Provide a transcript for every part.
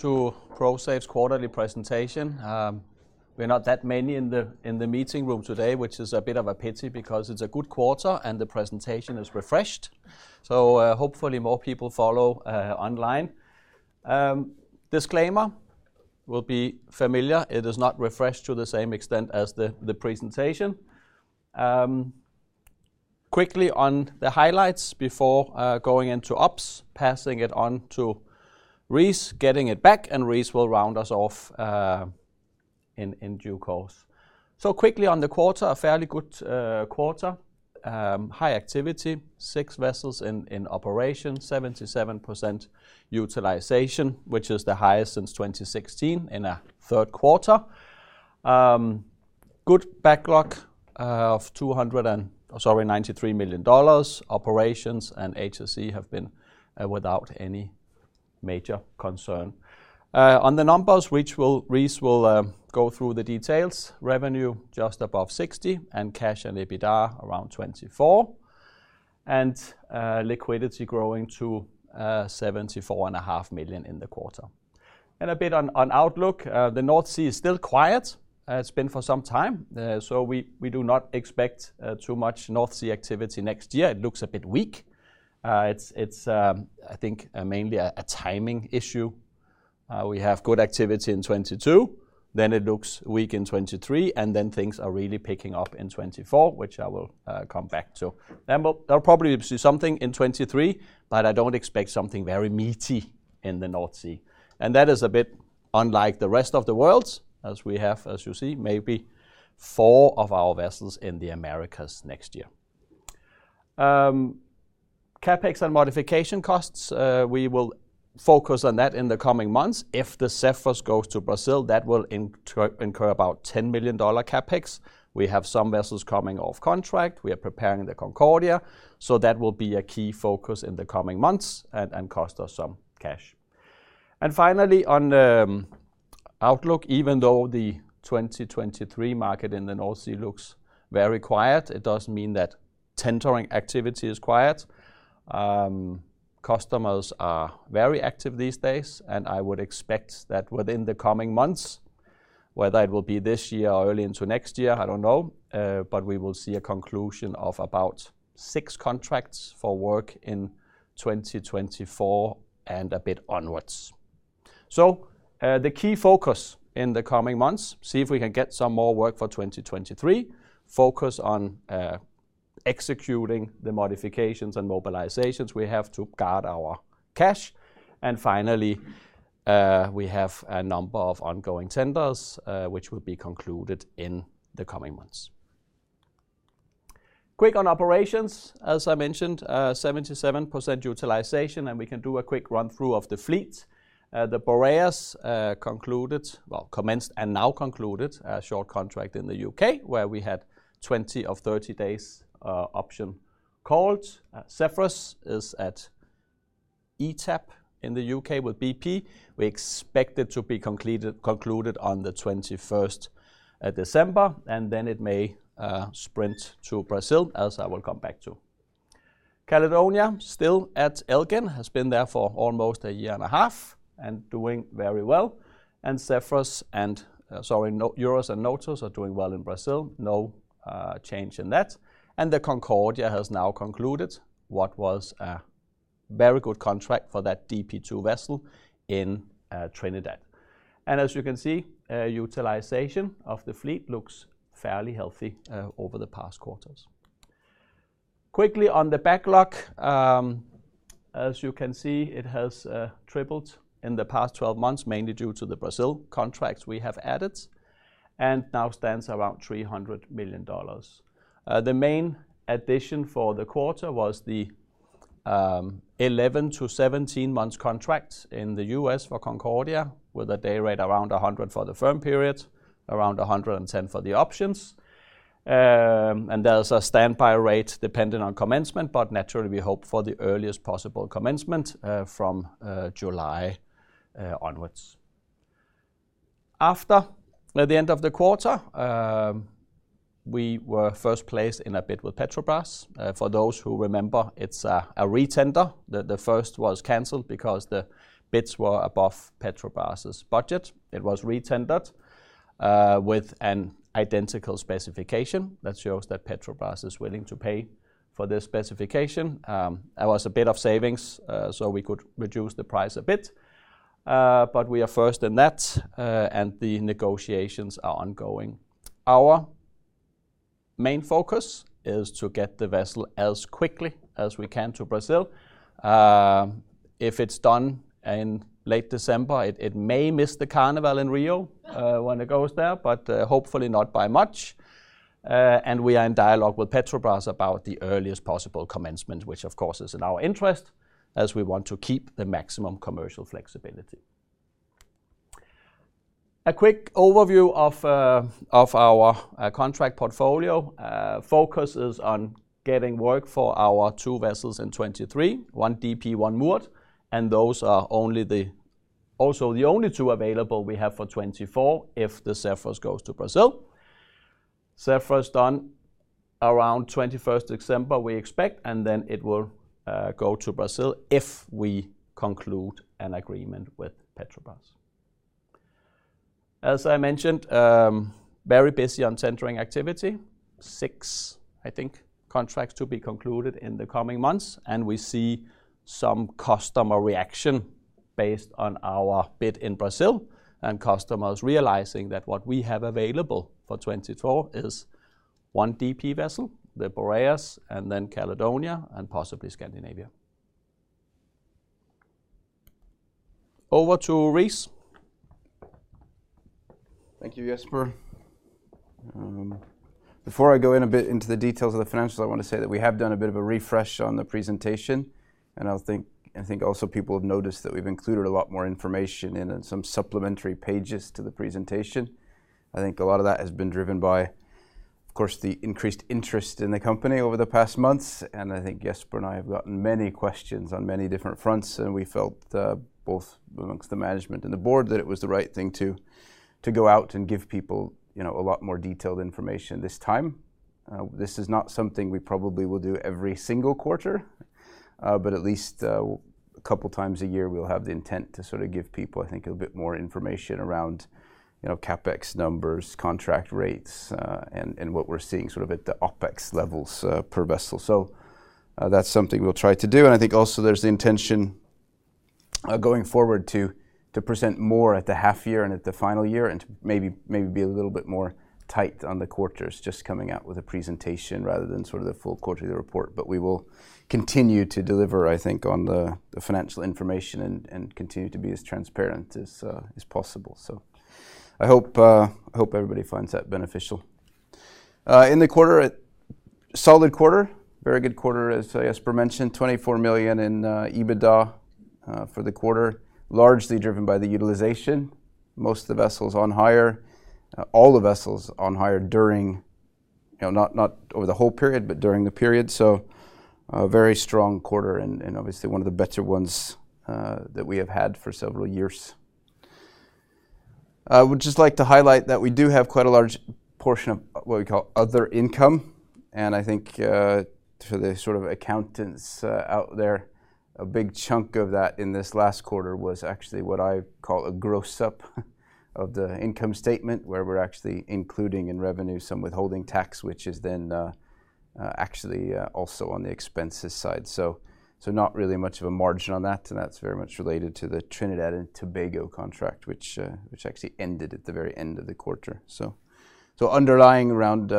To Prosafe's quarterly presentation. We're not that many in the meeting room today, which is a bit of a pity because it's a good quarter and the presentation is refreshed. Hopefully more people follow online. Disclaimer will be familiar. It is not refreshed to the same extent as the presentation. Quickly on the highlights before going into ops, passing it on to Reese McNeel, getting it back, and Reese McNeel will round us off in due course. Quickly on the quarter, a fairly good quarter. High activity. Six vessels in operation. 77% utilization, which is the highest since 2016 in a third quarter. Good backlog of $93 million. Operations and HSE have been without any major concern. On the numbers, Reese will go through the details. Revenue just above $60 million, and cash and EBITDA around $24 million. Liquidity growing to $74.5 million in the quarter. A bit on outlook, the North Sea is still quiet, it's been for some time. We do not expect too much North Sea activity next year. It looks a bit weak. It's I think mainly a timing issue. We have good activity in 2022, then it looks weak in 2023, and then things are really picking up in 2024, which I will come back to. There are probably obviously something in 2023, but I don't expect something very meaty in the North Sea. That is a bit unlike the rest of the world, as we have, as you see, maybe four of our vessels in the Americas next year. CapEx and modification costs, we will focus on that in the coming months. If the Safe Zephyrus goes to Brazil, that will incur about $10 million CapEx. We have some vessels coming off contract. We are preparing the Safe Concordia. That will be a key focus in the coming months and cost us some cash. Finally, on the outlook, even though the 2023 market in the North Sea looks very quiet, it doesn't mean that tendering activity is quiet. Customers are very active these days, and I would expect that within the coming months, whether it will be this year or early into next year, I don't know, but we will see a conclusion of about 6 contracts for work in 2024 and a bit onwards. The key focus in the coming months, see if we can get some more work for 2023. Focus on executing the modifications and mobilizations. We have to guard our cash. Finally, we have a number of ongoing tenders, which will be concluded in the coming months. Quick on operations. As I mentioned, 77% utilization, and we can do a quick run-through of the fleet. The Boreas commenced and now concluded a short contract in the UK, where we had 20 of 30 days, option called. Safe Zephyrus is at ETAP in the UK with BP. We expect it to be concluded on 21 December, and then it may ship to Brazil, as I will come back to. Safe Caledonia, still at Elgin, has been there for almost a year and a half and doing very well. Safe Eurus and Safe Notos are doing well in Brazil. No change in that. Safe Concordia has now concluded what was a very good contract for that DP2 vessel in Trinidad. As you can see, utilization of the fleet looks fairly healthy over the past quarters. Quickly on the backlog, as you can see, it has tripled in the past 12 months, mainly due to the Brazil contracts we have added, and now stands around $300 million. The main addition for the quarter was the 11-17 months contracts in the U.S. for Safe Concordia, with a day rate around $100 for the firm period, around $110 for the options. There's a standby rate depending on commencement, but naturally, we hope for the earliest possible commencement from July onwards. At the end of the quarter, we were first placed in a bid with Petrobras. For those who remember, it's a retender. The first was canceled because the bids were above Petrobras's budget. It was retendered with an identical specification. That shows that Petrobras is willing to pay for this specification. There was a bit of savings so we could reduce the price a bit. We are first in that and the negotiations are ongoing. Our main focus is to get the vessel as quickly as we can to Brazil. If it's done in late December, it may miss the carnival in Rio when it goes there, but hopefully not by much. We are in dialogue with Petrobras about the earliest possible commencement, which of course is in our interest as we want to keep the maximum commercial flexibility. A quick overview of our contract portfolio, focus is on getting work for our two vessels in 2023, one DP, one moored, and those are also the only two available we have for 2024 if the Zephyrus goes to Brazil. Zephyrus done around 21st December, we expect, and then it will go to Brazil if we conclude an agreement with Petrobras. As I mentioned, very busy on tendering activity. 6, I think, contracts to be concluded in the coming months, and we see some customer reaction based on our bid in Brazil and customers realizing that what we have available for 2024 is one DP vessel, the Boreas, and then Caledonia, and possibly Scandinavia. Over to Reese. Thank you, Jesper. Before I go in a bit into the details of the financials, I want to say that we have done a bit of a refresh on the presentation, and I think also people have noticed that we've included a lot more information and then some supplementary pages to the presentation. I think a lot of that has been driven by, of course, the increased interest in the company over the past months. I think Jesper and I have gotten many questions on many different fronts, and we felt both amongst the management and the board that it was the right thing to go out and give people, you know, a lot more detailed information this time. This is not something we probably will do every single quarter, but at least a couple times a year, we'll have the intent to sort of give people, I think, a bit more information around, you know, CapEx numbers, contract rates, and what we're seeing sort of at the OpEx levels per vessel. That's something we'll try to do. I think also there's the intention going forward to present more at the half year and at the final year and maybe be a little bit more tight on the quarters just coming out with a presentation rather than sort of the full quarterly report. We will continue to deliver, I think, on the financial information and continue to be as transparent as possible. I hope everybody finds that beneficial. In the quarter, a solid quarter, very good quarter, as Jesper mentioned, $24 million in EBITDA for the quarter, largely driven by the utilization. Most of the vessels on hire, all the vessels on hire during, you know, not over the whole period, but during the period. A very strong quarter and obviously one of the better ones that we have had for several years. I would just like to highlight that we do have quite a large portion of what we call other income. I think, for the sort of accountants out there, a big chunk of that in this last quarter was actually what I call a gross-up of the income statement, where we're actually including in revenue some withholding tax, which is then actually also on the expenses side. Not really much of a margin on that, and that's very much related to the Trinidad and Tobago contract, which actually ended at the very end of the quarter. Underlying around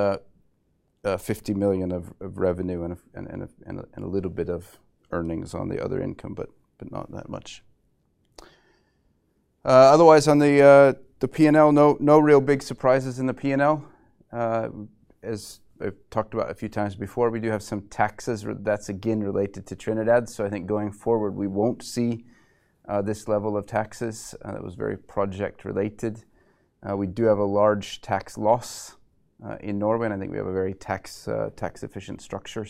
$50 million of revenue and a little bit of earnings on the other income, but not that much. Otherwise on the P&L, no real big surprises in the P&L. As I've talked about a few times before, we do have some taxes. That's again related to Trinidad. I think going forward, we won't see this level of taxes. That was very project related. We do have a large tax loss in Norway, and I think we have a very tax efficient structure.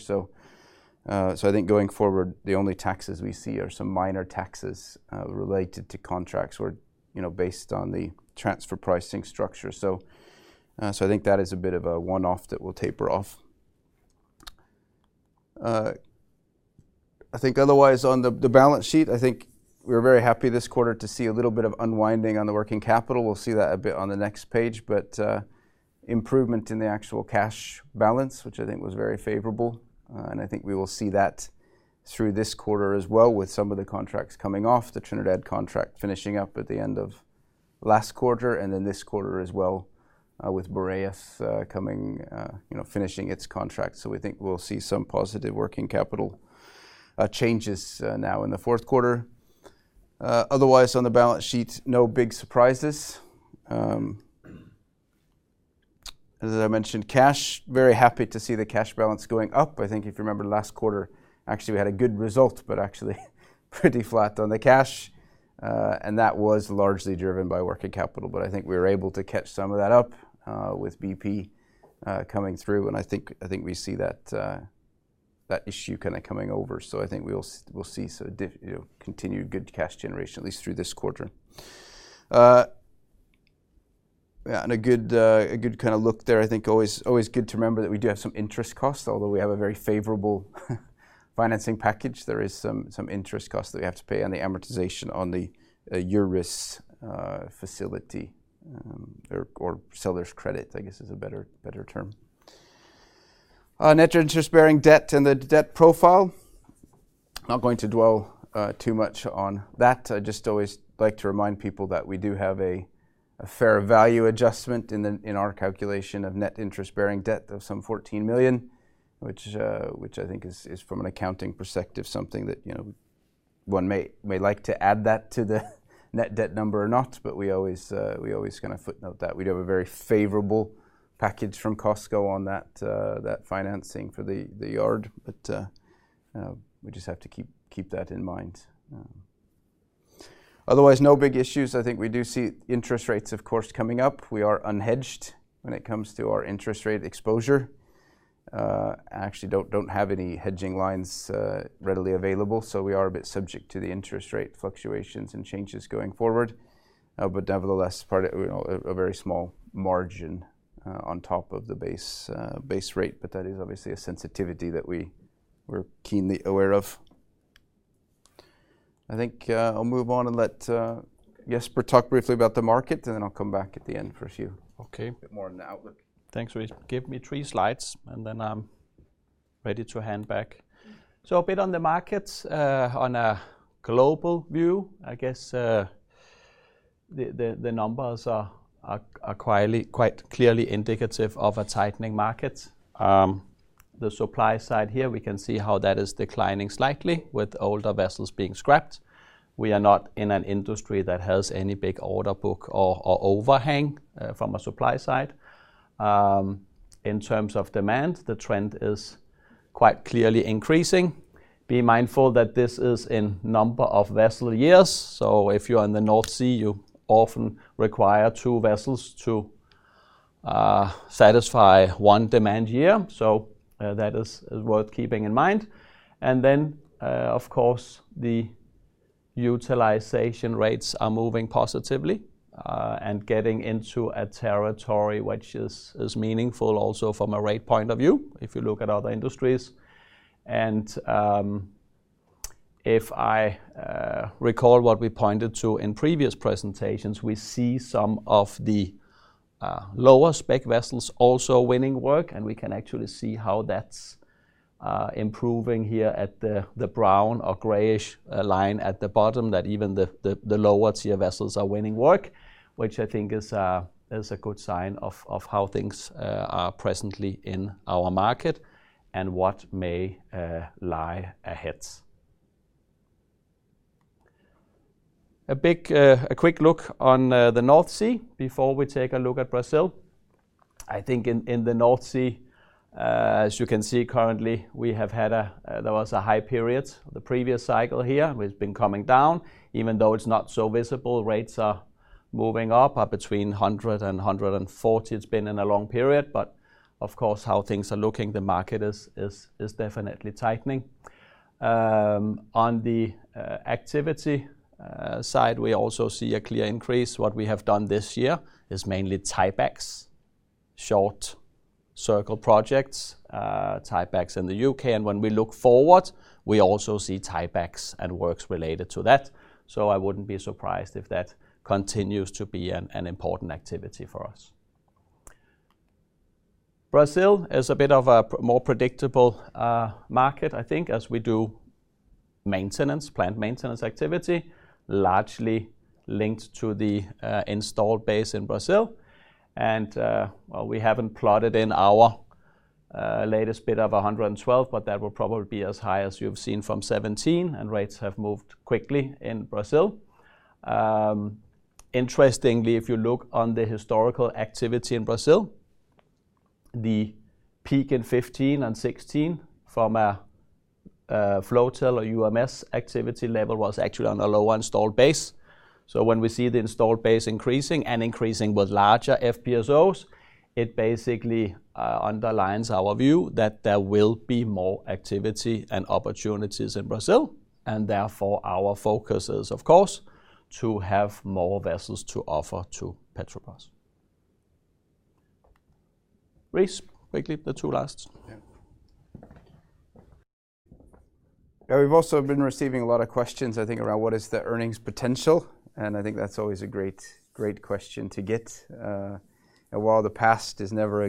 I think going forward, the only taxes we see are some minor taxes, related to contracts or, you know, based on the transfer pricing structure. I think that is a bit of a one-off that will taper off. I think otherwise on the balance sheet, I think we're very happy this quarter to see a little bit of unwinding on the working capital. We'll see that a bit on the next page. Improvement in the actual cash balance, which I think was very favorable. I think we will see that through this quarter as well with some of the contracts coming off, the Trinidad contract finishing up at the end of last quarter and then this quarter as well, with Boreas coming, you know, finishing its contract. We think we'll see some positive working capital changes now in the fourth quarter. Otherwise on the balance sheet, no big surprises. As I mentioned, cash, very happy to see the cash balance going up. I think if you remember last quarter, actually we had a good result, but actually pretty flat on the cash. That was largely driven by working capital. I think we were able to catch some of that up with BP coming through. I think we see that issue kind of coming over. I think we'll see sort of you know, continued good cash generation at least through this quarter. Yeah, and a good kind of look there. I think always good to remember that we do have some interest costs. Although we have a very favorable financing package, there is some interest costs that we have to pay on the amortization on the Eurus facility or seller's credit, I guess is a better term. Net interest-bearing debt and the debt profile. Not going to dwell too much on that. I just always like to remind people that we do have a fair value adjustment in our calculation of net interest-bearing debt of some $14 million, which I think is from an accounting perspective something that, you know, one may like to add that to the net debt number or not. But we always kind of footnote that. We do have a very favorable package from COSCO on that financing for the yard. We just have to keep that in mind. Otherwise, no big issues. I think we do see interest rates, of course, coming up. We are unhedged when it comes to our interest rate exposure. Actually don't have any hedging lines readily available, so we are a bit subject to the interest rate fluctuations and changes going forward. But nevertheless, part of you know a very small margin on top of the base rate, but that is obviously a sensitivity that we're keenly aware of. I think I'll move on and let Jesper talk briefly about the market, and then I'll come back at the end for a few Okay. A bit more on the outlook. Thanks, Reese. Give me three slides, and then I'm ready to hand back. A bit on the markets. On a global view, I guess, the numbers are quite clearly indicative of a tightening market. The supply side here, we can see how that is declining slightly with older vessels being scrapped. We are not in an industry that has any big order book or overhang from a supply side. In terms of demand, the trend is quite clearly increasing. Be mindful that this is in number of vessel years. If you're in the North Sea, you often require two vessels to satisfy one demand year. That is worth keeping in mind. Of course, the utilization rates are moving positively, and getting into a territory which is meaningful also from a rate point of view, if you look at other industries. If I recall what we pointed to in previous presentations, we see some of the lower-spec vessels also winning work, and we can actually see how that's improving here at the brown or grayish line at the bottom, that even the lower-tier vessels are winning work, which I think is a good sign of how things are presently in our market and what may lie ahead. A quick look at the North Sea before we take a look at Brazil. I think in the North Sea, as you can see currently, we have had a high period, the previous cycle here, which been coming down. Even though it's not so visible, rates are moving up between $100 and $140. It's been in a long period, but of course, how things are looking, the market is definitely tightening. On the activity side, we also see a clear increase. What we have done this year is mainly tiebacks, short-cycle projects, tiebacks in the UK. When we look forward, we also see tiebacks and works related to that. I wouldn't be surprised if that continues to be an important activity for us. Brazil is a bit more predictable market, I think, as we do planned maintenance activity, largely linked to the installed base in Brazil. Well, we haven't put in our latest bid of 112, but that will probably be as high as you've seen from 2017, and rates have moved quickly in Brazil. Interestingly, if you look on the historical activity in Brazil, the peak in 2015 and 2016 from a Flotel or UMS activity level was actually on a lower installed base. When we see the installed base increasing and increasing with larger FPSOs, it basically underlines our view that there will be more activity and opportunities in Brazil, and therefore our focus is, of course, to have more vessels to offer to Petrobras. Reese, quickly, the two last. Yeah. Yeah, we've also been receiving a lot of questions, I think, around what is the earnings potential, and I think that's always a great question to get. While the past is never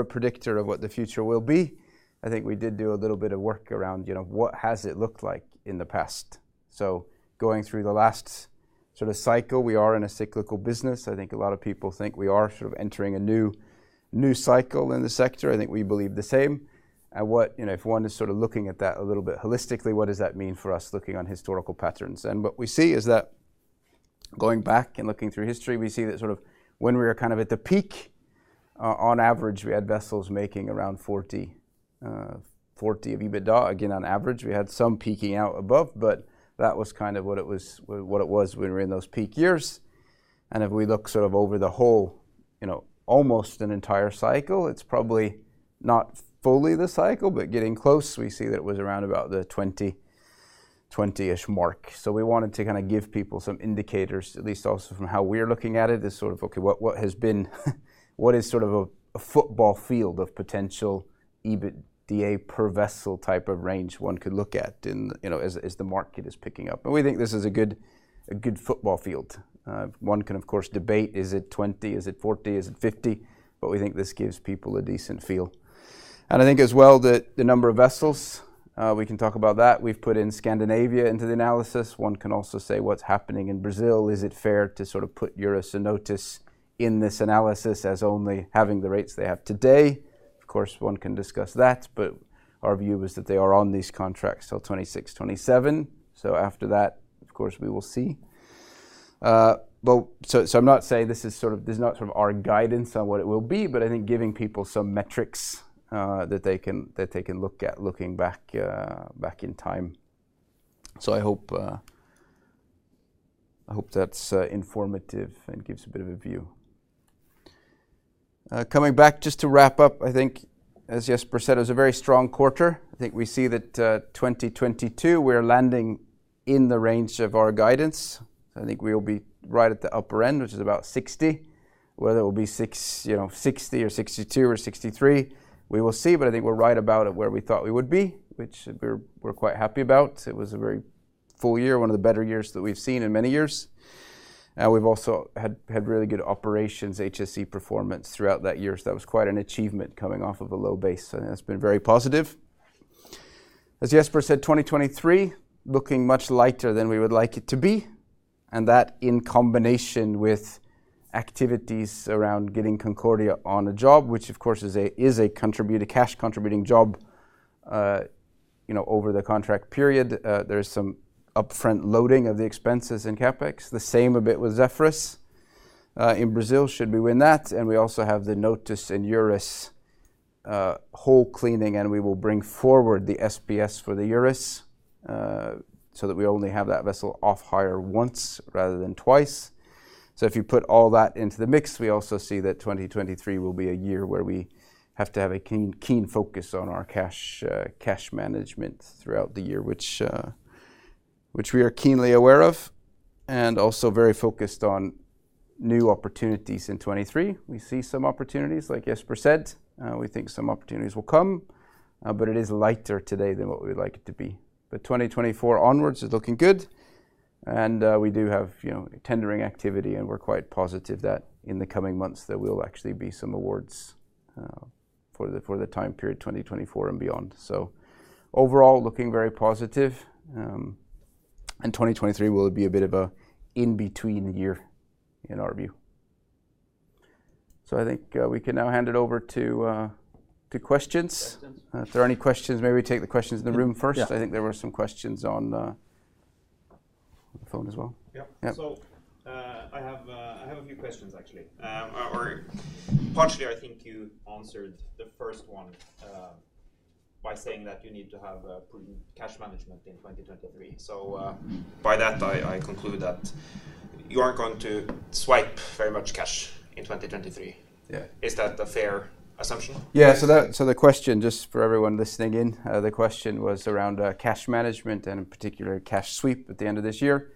a predictor of what the future will be, I think we did do a little bit of work around, you know, what has it looked like in the past. Going through the last sort of cycle, we are in a cyclical business. I think a lot of people think we are sort of entering a new cycle in the sector. I think we believe the same. What, you know, if one is sort of looking at that a little bit holistically, what does that mean for us looking at historical patterns? What we see is that going back and looking through history, we see that sort of when we were kind of at the peak, on average, we had vessels making around $40m EBITDA. Again, on average, we had some peaking out above, but that was kind of what it was when we were in those peak years. If we look sort of over the whole, you know, almost an entire cycle, it's probably not fully the cycle, but getting close, we see that it was around about the 20-ish mark. We wanted to kinda give people some indicators, at least also from how we're looking at it, as sort of what has been, what is sort of a football field of potential EBITDA per vessel type of range one could look at in, you know, as the market is picking up. We think this is a good football field. One can of course debate, is it 20? Is it 40? Is it 50? We think this gives people a decent feel. I think as well that the number of vessels, we can talk about that. We've put in Safe Scandinavia into the analysis. One can also say what's happening in Brazil. Is it fair to sort of put Safe Eurus and Safe Notos in this analysis as only having the rates they have today? Of course, one can discuss that, but our view is that they are on these contracts till 2026, 2027. After that, of course, we will see. I'm not saying this is sort of, this is not sort of our guidance on what it will be, but I think giving people some metrics that they can look at looking back in time. I hope that's informative and gives a bit of a view. Coming back just to wrap up, I think as Jesper said, it was a very strong quarter. I think we see that 2022 we're landing in the range of our guidance. I think we will be right at the upper end, which is about $60, you know, $60 or $62 or $63, we will see. I think we're right about at where we thought we would be, which we're quite happy about. It was a very full year, one of the better years that we've seen in many years. We've also had really good operations, HSE performance throughout that year. That was quite an achievement coming off of a low base. That's been very positive. As Jesper said, 2023 looking much lighter than we would like it to be, and that in combination with activities around getting Concordia on a job, which of course is a cash contributing job, you know, over the contract period. There is some upfront loading of the expenses in CapEx. The same a bit with Zephyrus in Brazil should we win that. We also have the notice in Eurus, hull cleaning, and we will bring forward the SPS for the Eurus, so that we only have that vessel off hire once rather than twice. If you put all that into the mix, we also see that 2023 will be a year where we have to have a keen focus on our cash management throughout the year, which we are keenly aware of and also very focused on new opportunities in 2023. We see some opportunities, like Jesper said. We think some opportunities will come, but it is lighter today than what we would like it to be. 2024 onwards is looking good, and we do have, you know, tendering activity, and we're quite positive that in the coming months there will actually be some awards for the time period 2024 and beyond. Overall, looking very positive, and 2023 will be a bit of a in-between year in our view. I think we can now hand it over to questions. Questions. If there are any questions, maybe we take the questions in the room first. Yeah. I think there were some questions on the phone as well. Yeah. Yeah. I have a few questions actually. Or partially, I think you answered the first one by saying that you need to have a prudent cash management in 2023. By that I conclude that you aren't going to spend very much cash in 2023. Yeah. Is that a fair assumption? Yeah. The question, just for everyone listening in, the question was around cash management and in particular cash sweep at the end of this year.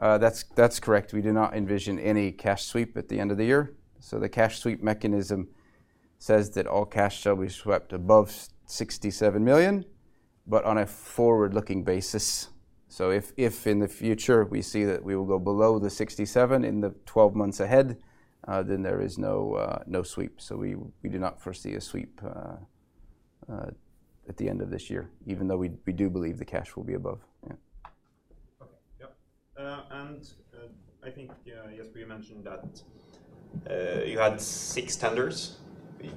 That's correct. We do not envision any cash sweep at the end of the year. The cash sweep mechanism says that all cash shall be swept above $67 million, but on a forward-looking basis. If in the future we see that we will go below the $67 million in the 12 months ahead, then there is no sweep. We do not foresee a sweep at the end of this year, even though we do believe the cash will be above. Okay. Yeah. I think, Jesper, you mentioned that you had 6 tenders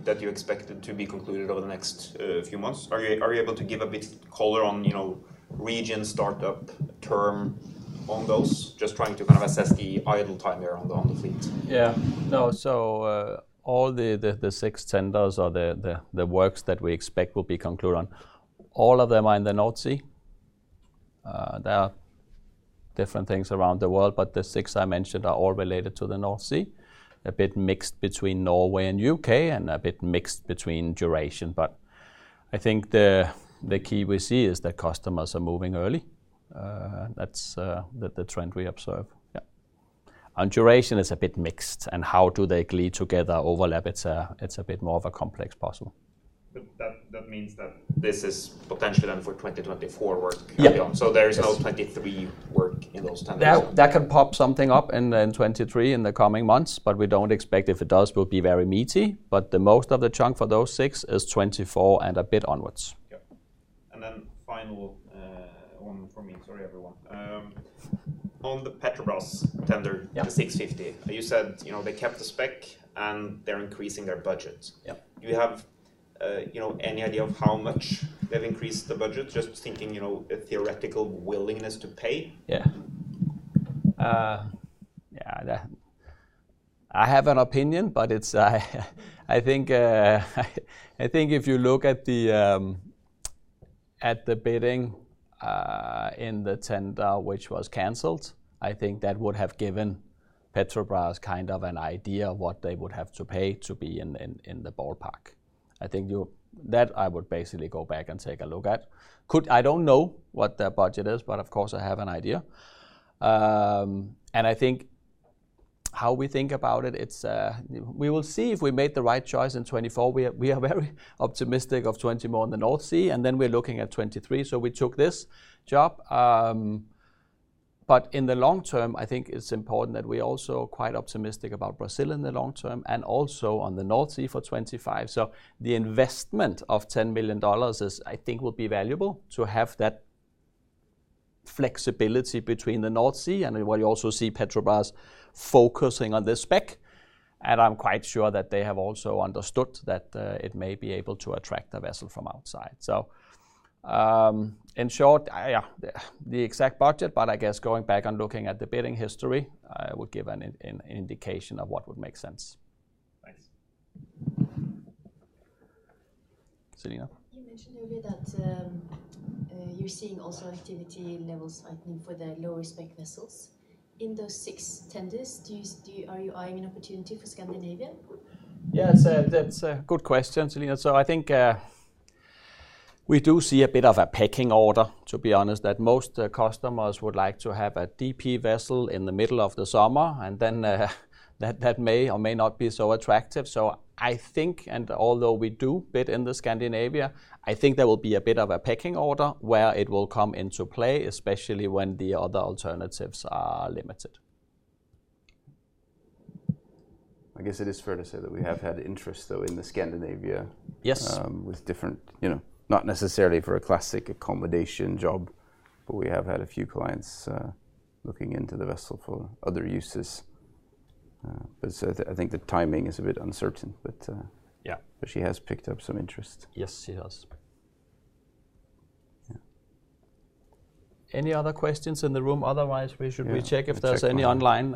that you expected to be concluded over the next few months. Are you able to give a bit of color on, you know, region, startup, term on those? Just trying to kind of assess the idle time there on the fleet. Yeah. No. All the 6 tenders or the works that we expect will be concluded on, all of them are in the North Sea. There are different things around the world, but the 6 I mentioned are all related to the North Sea, a bit mixed between Norway and U.K. and a bit mixed between duration. I think the key we see is that customers are moving early. That's the trend we observe. Yeah. Duration is a bit mixed and how they glue together, overlap, it's a bit more of a complex puzzle. That means that this is potentially then for 2024 work carry on. Yeah. There is no 2023 work in those tenders. There can pop something up in 2023 in the coming months, but we don't expect if it does, it will be very meaty. The most of the chunk for those six is 2024 and a bit onwards. Final one from me. Sorry, everyone. On the Petrobras tender. Yeah. The 650. You said, you know, they kept the spec and they're increasing their budget. Yeah. Do you have, you know, any idea of how much they've increased the budget? Just thinking, you know, a theoretical willingness to pay. Yeah. Yeah, that I have an opinion, but it's, I think if you look at the bidding in the tender which was canceled, I think that would have given Petrobras kind of an idea of what they would have to pay to be in the ballpark. That I would basically go back and take a look at. I don't know what their budget is, but of course, I have an idea. I think how we think about it's we will see if we made the right choice in 2024. We are very optimistic of 20 more in the North Sea, and then we're looking at 2023. We took this job. In the long term, I think it's important that we're also quite optimistic about Brazil in the long term and also on the North Sea for 2025. The investment of $10 million is, I think, will be valuable to have that flexibility between the North Sea and where you also see Petrobras focusing on this spec. I'm quite sure that they have also understood that, it may be able to attract a vessel from outside. In short, yeah, the exact budget, but I guess going back and looking at the bidding history, would give an indication of what would make sense. Thanks. You mentioned earlier that you're seeing also activity levels likely for the low-risk spec vessels. In those six tenders, are you eyeing an opportunity for Scandinavia? Yeah. That's a good question, Celina. I think we do see a bit of a pecking order, to be honest, that most customers would like to have a DP vessel in the middle of the summer, and then that may or may not be so attractive. I think, although we do bid in the Safe Scandinavia, there will be a bit of a pecking order where it will come into play, especially when the other alternatives are limited. I guess it is fair to say that we have had interest, though, in the Safe Scandinavia. Yes with different, you know, not necessarily for a classic accommodation job, but we have had a few clients looking into the vessel for other uses. I think the timing is a bit uncertain, but Yeah She has picked up some interest. Yes, she has. Yeah. Any other questions in the room? Otherwise, we should. Yeah. We check if there's any online.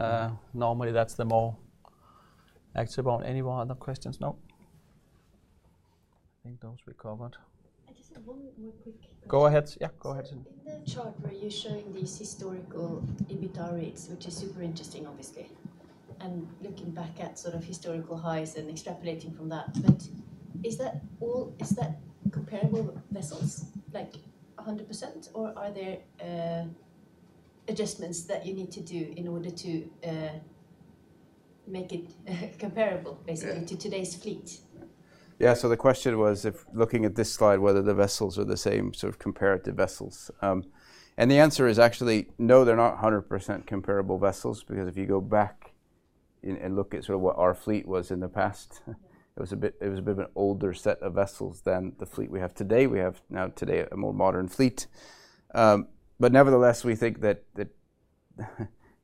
Normally, that's the more active. Any more other questions? No. I think those we covered. I just have one more quick question. Go ahead. Yeah, go ahead. In the chart where you're showing these historical EBITDA rates, which is super interesting obviously, and looking back at sort of historical highs and extrapolating from that. Is that comparable vessels like 100%, or are there adjustments that you need to do in order to make it comparable basically? Yeah. to today's fleet? Yeah. The question was if looking at this slide, whether the vessels are the same sort of comparable vessels. The answer is actually no, they're not 100% comparable vessels because if you go back and look at sort of what our fleet was in the past it was a bit of an older set of vessels than the fleet we have today. We have now today a more modern fleet. Nevertheless, we think that you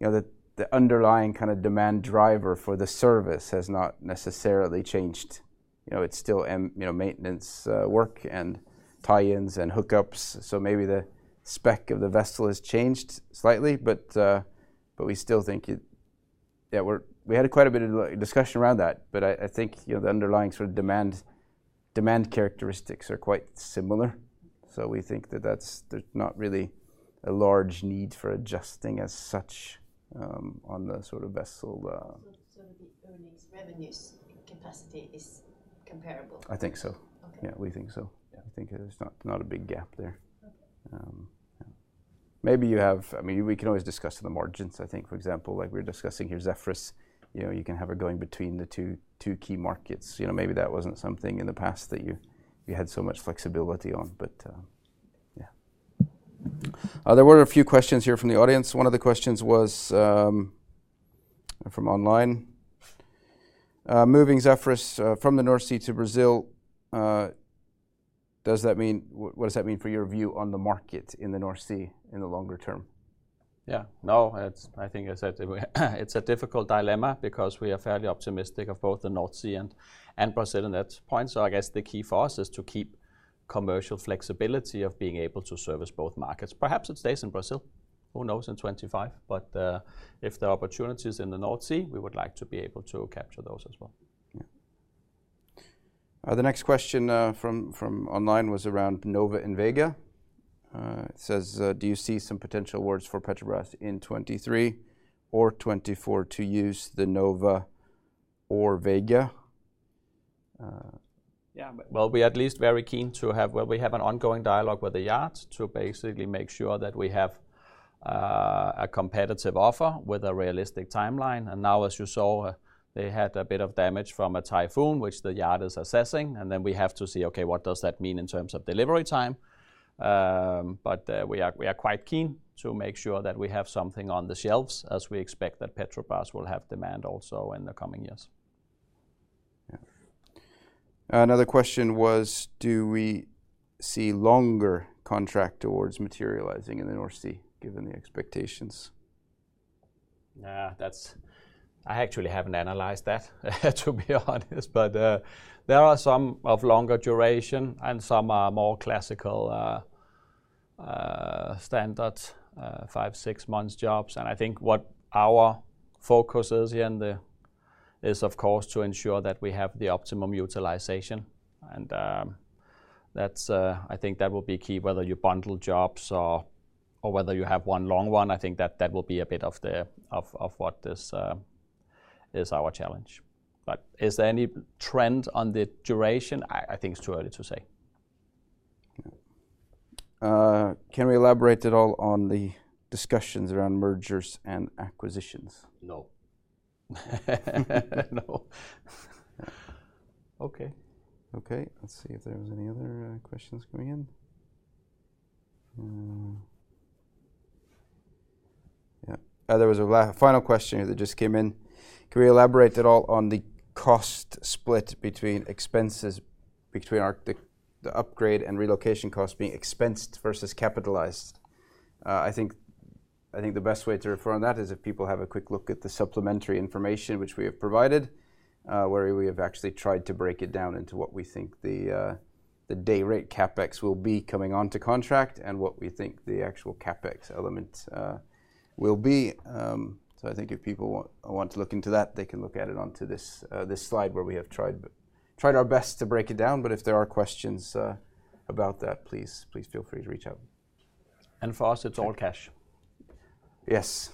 know, the underlying kind of demand driver for the service has not necessarily changed. You know, it's still maintenance work and tie-ins and hookups. Maybe the spec of the vessel has changed slightly, but we still think it. Yeah, we had quite a bit of discussion around that, but I think, you know, the underlying sort of demand characteristics are quite similar. We think that there's not really a large need for adjusting as such, on the sort of vessel. The earnings, revenues, capacity is comparable? I think so. Okay. Yeah, we think so. Yeah. I think there's not a big gap there. Okay. I mean, we can always discuss the margins. I think, for example, like we're discussing here, Zephyrus, you know, you can have her going between the two key markets. You know, maybe that wasn't something in the past that you had so much flexibility on. Yeah. There were a few questions here from the audience. One of the questions was from online. Moving Zephyrus from the North Sea to Brazil, what does that mean for your view on the market in the North Sea in the longer term? Yeah. No, it's, I think, as I said, it's a difficult dilemma because we are fairly optimistic of both the North Sea and Brazil in that point. I guess the key for us is to keep commercial flexibility of being able to service both markets. Perhaps it stays in Brazil. Who knows in 2025. If there are opportunities in the North Sea, we would like to be able to capture those as well. Yeah. The next question from online was around Nova and Vega. It says, do you see some potential awards for Petrobras in 2023 or 2024 to use the Nova or Vega? Yeah. Well, we have an ongoing dialogue with the yards to basically make sure that we have a competitive offer with a realistic timeline. Now, as you saw, they had a bit of damage from a typhoon, which the yard is assessing, and then we have to see, okay, what does that mean in terms of delivery time? But we are quite keen to make sure that we have something on the shelves as we expect that Petrobras will have demand also in the coming years. Yeah. Another question was, do we see longer contract awards materializing in the North Sea given the expectations? I actually haven't analyzed that, to be honest. There are some of longer duration, and some are more classical standard 5-6 months jobs. I think what our focus is here and there is, of course, to ensure that we have the optimum utilization. That's, I think that will be key, whether you bundle jobs or whether you have one long one. I think that will be a bit of what this is our challenge. Is there any trend on the duration? I think it's too early to say. Yeah. Can we elaborate at all on the discussions around mergers and acquisitions? No. No. Okay. Okay, let's see if there was any other, questions coming in. Yeah. There was a final question here that just came in. Can we elaborate at all on the cost split between expenses, between CapEx, the upgrade and relocation costs being expensed versus capitalized? I think the best way to refer on that is if people have a quick look at the supplementary information which we have provided, where we have actually tried to break it down into what we think the day rate CapEx will be coming onto contract and what we think the actual CapEx element will be. I think if people want to look into that, they can look at it onto this slide where we have tried our best to break it down. If there are questions about that, please feel free to reach out. For us, it's all cash. Yes.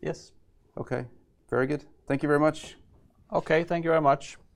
Yes. Okay. Very good. Thank you very much. Okay. Thank you very much.